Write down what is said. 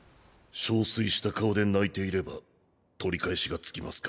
憔悴した顔で泣いていれば取り返しがつきますか？